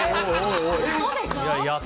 嘘でしょ！